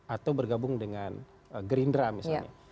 atau bergabung dengan gerindra misalnya